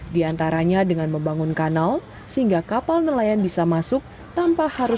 di antaranya dengan membangun kanal sehingga kapal nelayan bisa masuk tanpa harus berputar mengelilingi pulau g untuk berlabah